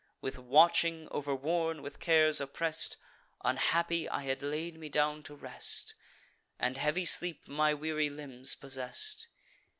With watching overworn, with cares oppress'd, Unhappy I had laid me down to rest, And heavy sleep my weary limbs possess'd.